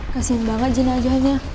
kasian banget jenazahnya